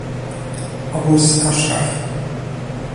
Obóz Aszraf